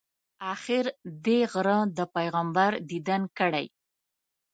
آخر دې غره د پیغمبر دیدن کړی.